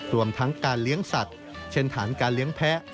รวมทั้งการเลี้ยงสัตว์เช่นฐานการเลี้ยงแพ้